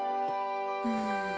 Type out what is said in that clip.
うん。